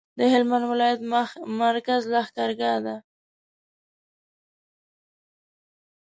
د هلمند ولایت مرکز لښکرګاه ده